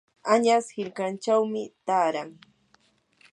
añas hirkachawmi taaran.